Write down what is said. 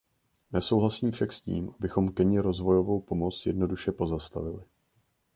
Nesouhlasím však s tím, abychom Keni rozvojovou pomoc jednoduše pozastavili.